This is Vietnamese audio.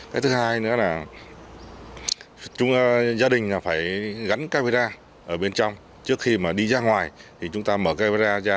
cái thứ hai nữa là gia đình phải gắn camera ở bên trong trước khi mà đi ra ngoài thì chúng ta mở camera ra